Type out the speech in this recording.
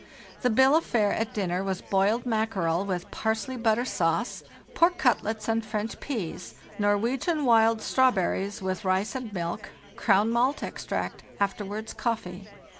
"The bill of fare at dinner was boiled mackerel, with parsely butter sauce; pork cutlets and French pease; Nor wegian wild strawberries, with rice and milk; Crown malt extract; afterwards coffee.